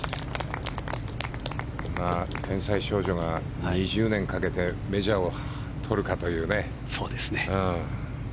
天才少女が２０年かけてメジャーを取るかというね。